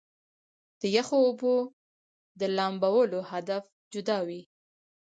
د يخو اوبو د لامبلو هدف جدا وي -